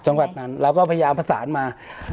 จังหวัดนั้นเราก็พยายามประสานมา